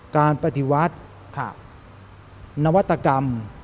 การปฏิวัตินวัตกรรม